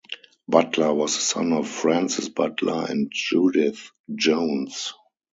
Butler was the son of Francis Butler and Judith Jones.